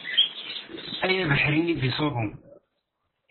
Ay abeḥri i d-isuḍen.